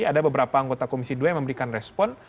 ada beberapa anggota komisi dua yang memberikan respon